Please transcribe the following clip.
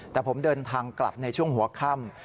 แต่ผมเดินทางกลับในช่วงหัวค่ำ